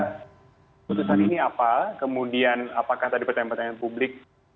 keputusan ini apa kemudian apakah tadi pertanyaan pertanyaan publik